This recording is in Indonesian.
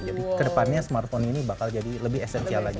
jadi kedepannya smartphone ini bakal jadi lebih esensial lagi